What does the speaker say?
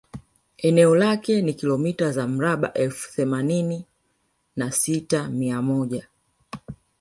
Eneo lake ni kilometa za mraba elfu themanini na sita mia moja